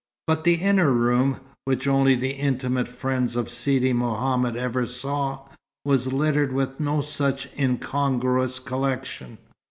But the inner room, which only the intimate friends of Sidi Mohammed ever saw, was littered with no such incongruous collection.